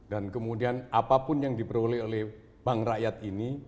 dan kemudian apapun yang diperoleh oleh bank rakyat ini